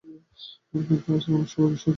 কিন্তু আচার, আমি সবাইকে হতাশ করে ফেলব।